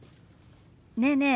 ねえねえ